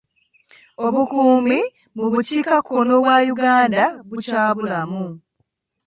Obukuumi mu bukiikakkono bwa Uganda bukyabulamu.